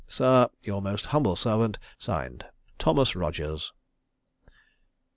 "Sir, your most humble servant, (Signed) "THOMAS ROGERS."